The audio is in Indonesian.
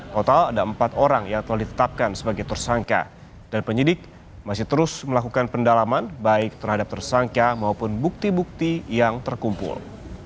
total ada empat orang yang telah ditetapkan sebagai tersangka dan penyidik masih terus melakukan pendalaman baik terhadap tersangka maupun bukti bukti yang terkumpul